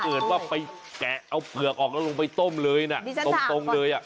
เกิดว่าไปแกะเอาเผือกออกแล้วลงไปต้มเลยนะตรงเลย